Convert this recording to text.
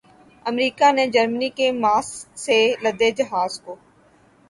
امریکا نے جرمنی کے ماسک سے لدے جہاز کو